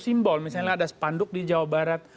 simbol misalnya ada spanduk di jawa barat